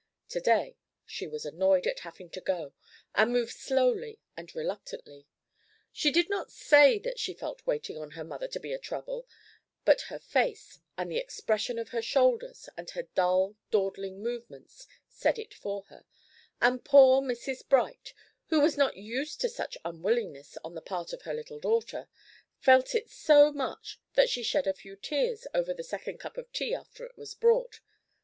To day she was annoyed at having to go, and moved slowly and reluctantly. She did not say that she felt waiting on her mother to be a trouble, but her face, and the expression of her shoulders, and her dull, dawdling movements said it for her; and poor Mrs. Bright, who was not used to such unwillingness on the part of her little daughter, felt it so much that she shed a few tears over the second cup of tea after it was brought.